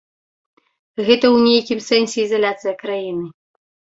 Гэта ў нейкім сэнсе ізаляцыя краіны.